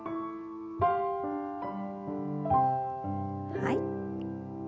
はい。